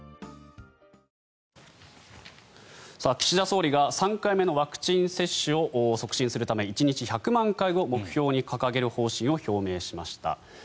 岸田総理が３回目のワクチン接種を促進するため１日１００万回を目標に掲げる方針を表明しました。